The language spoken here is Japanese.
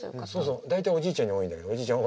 そう大体おじいちゃんに多いんだけどおじいちゃん